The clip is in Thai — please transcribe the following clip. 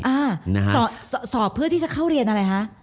อ่าสอบเพื่อที่จะเข้าเรียนอะไรคะ